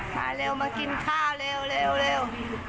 มาเร็วมากินข้าวเร็ว